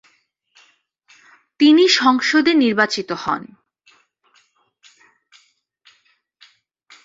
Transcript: তিনি সংসদে নির্বাচিত হন।